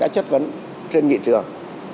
chất vấn trên nghị trường